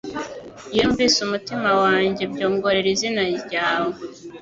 Iyo numvise umutima wanjye byongorera izina ryawe